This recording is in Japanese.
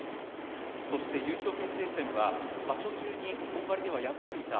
優勝決定戦は場所中に本割では敗れていた